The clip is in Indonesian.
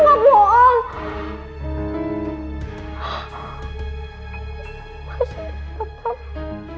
mbak mir lu gak bohong